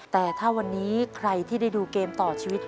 แต่ถ้าวันนี้ใครที่ได้ดูเกมต่อชีวิต